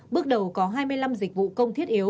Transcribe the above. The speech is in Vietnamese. bước đầu có hai mươi năm dịch vụ công thiết yếu